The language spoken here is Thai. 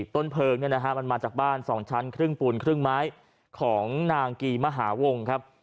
ต้นเพลิงมันมาจากบ้าน๒ชั้นครึ่งปูนครึ่งไม้ของนางกีมหาวงครับ